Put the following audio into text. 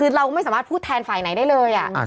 คือเราไม่สามารถพูดแทนฝ่ายไหนได้เลย